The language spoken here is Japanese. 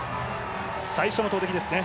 最初の投てきですね。